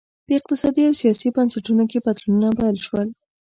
په اقتصادي او سیاسي بنسټونو کې بدلونونه پیل شول